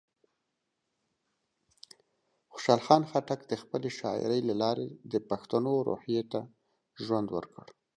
خوشحال خان خټک د خپلې شاعرۍ له لارې د پښتنو روحیه ته ژوند ورکړ.